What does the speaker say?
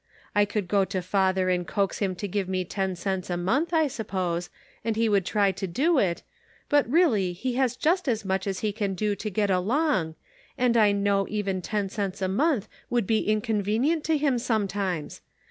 I could go to father and coax him to give me ten cents a month, I suppose, and he would try to do it ; but really he has just as much as he can do to get along, and I know even ten cents a month would be inconvenient to him sometimes.